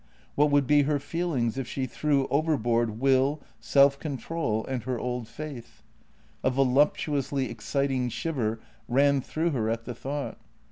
— what would be her feelings if she threw overboard will, self control, and her old faith? A voluptuously exciting shiver ran through her at the thought.